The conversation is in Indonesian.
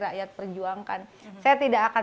rakyat perjuangkan saya tidak akan